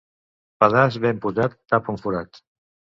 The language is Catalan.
Pedaç ben posat tapa un forat.